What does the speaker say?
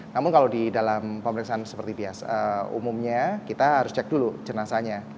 namun kalau di dalam pemeriksaan seperti biasa umumnya kita harus cek dulu jenazahnya